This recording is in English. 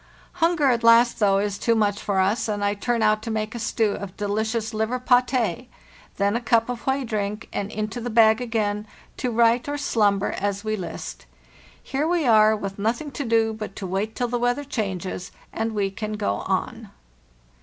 Hunger at last, though, is too much for us, and I turn out to make a stew of delicious liver 'paté. Then a cup of whey drink, and into the bag again, to write or slumber as we list. Here we are, with nothing to do but to wait till the weather changes and we can go on.